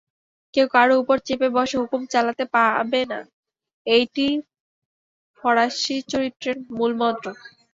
কেউ কারু উপর চেপে বসে হুকুম চালাতে পাবে না, এইটিই ফরাসীচরিত্রের মূলমন্ত্র।